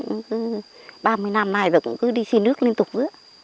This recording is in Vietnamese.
ba mươi năm nay rồi cũng cứ đi xin nước liên tục nữa